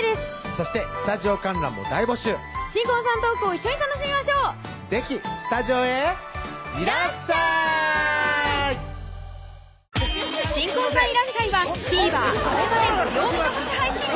そしてスタジオ観覧も大募集新婚さんのトークを一緒に楽しみましょう是非スタジオへいらっしゃい新婚さんいらっしゃい！はＴＶｅｒ